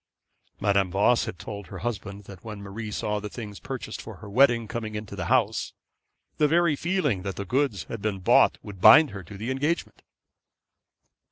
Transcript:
Madame Voss had told her husband that when Marie saw the things purchased for her wedding coming into the house, the very feeling that the goods had been bought would bind her to her engagement.